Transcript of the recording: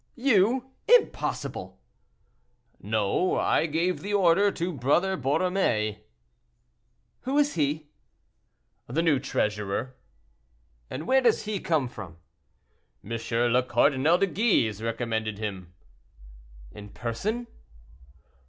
"You! impossible!" "No. I gave the order to Brother Borromée." "Who is he?" "The new treasurer." "Where does he come from?" "M. le Cardinal de Guise recommended him." "In person?"